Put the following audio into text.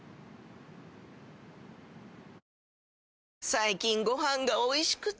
最近ご飯がおいしくて！